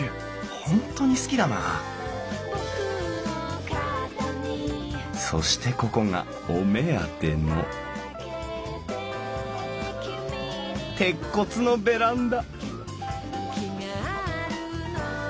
ほんとに好きだなぁそしてここがお目当ての鉄骨のベランダ！